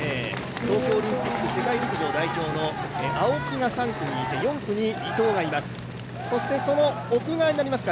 東京オリンピック世界陸上代表の青木が３区にいて、４区に伊藤がいます。